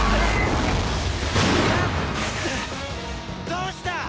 どうした！？